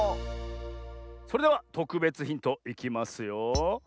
それではとくべつヒントいきますよ。